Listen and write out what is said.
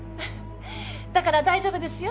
だから大丈夫ですよ。